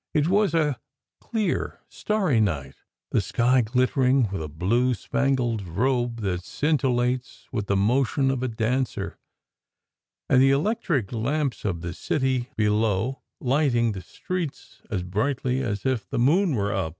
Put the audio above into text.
It was a clear, starry night, the sky glittering like a blue, spangled robe that scintillates with the motion of a dancer, and the electric lamps of the city below lighting the streets as brightly as if the moon were up.